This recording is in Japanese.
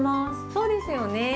そうですよね。